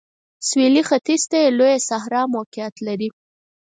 سویلي ختیځ ته یې لویه صحرا موقعیت لري.